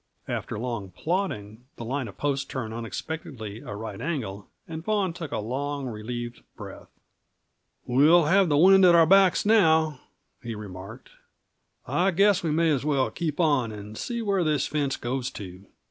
After long plodding, the line of posts turned unexpectedly a right angle, and Vaughan took a long, relieved breath. "We'll have the wind on our backs now," he remarked. "I guess we may as well keep on and see where this fence goes to."